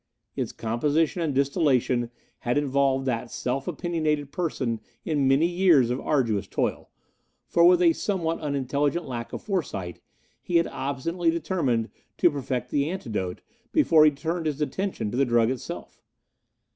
Its composition and distillation had involved that self opinionated person in many years of arduous toil, for with a somewhat unintelligent lack of foresight he had obstinately determined to perfect the antidote before he turned his attention to the drug itself.